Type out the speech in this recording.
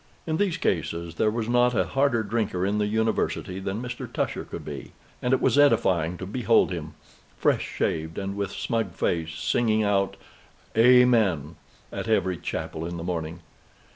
In these cases there was not a harder drinker in the University than Mr. Tusher could be; and it was edifying to behold him, fresh shaved and with smug face, singing out "Amen!" at early chapel in the morning.